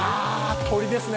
鶏ですね